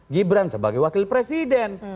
gibran sebagai wakil presiden